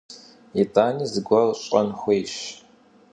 ИтӀани зыгуэр щӀэн хуейщ.